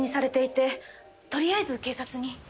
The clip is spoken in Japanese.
とりあえず警察に。